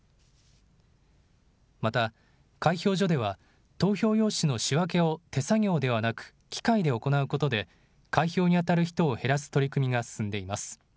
また、開票所では投票用紙の仕分けを手作業ではなく機械で行うことで開票にあたる人を減らす取り組みが進んでいます。